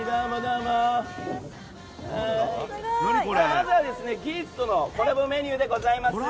まずは「ギーツ」とのコラボメニューでございます。